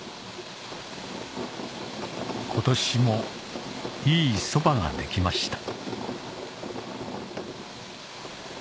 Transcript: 今年もいいソバが出来ました